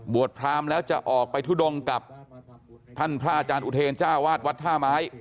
พรามแล้วจะออกไปทุดงกับท่านพระอาจารย์อุเทรจ้าวาดวัดท่าไม้